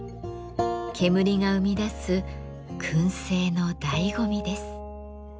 煙が生み出す燻製のだいご味です。